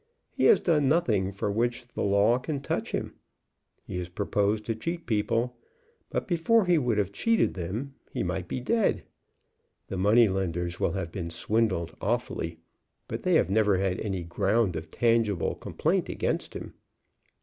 He has done nothing for which the law can touch him. He has proposed to cheat people, but before he would have cheated them he might be dead. The money lenders will have been swindled awfully, but they have never had any ground of tangible complaint against him.